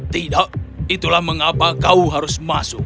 tidak itulah mengapa kau harus masuk